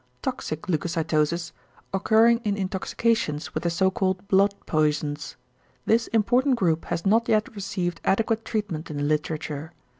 =Toxic leucocytosis= occurring in intoxications with the so called blood poisons. This important group has not yet received adequate treatment in the literature.